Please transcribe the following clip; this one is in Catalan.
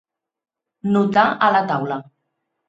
Notar a la taula.